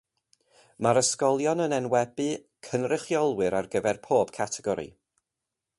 Mae'r ysgolion yn enwebu cynrychiolwyr ar gyfer pob categori.